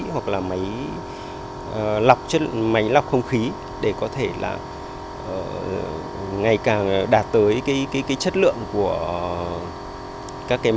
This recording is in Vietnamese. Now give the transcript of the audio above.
hoặc là máy lọc không khí để có thể ngày càng đạt tới chất lượng của các máy đo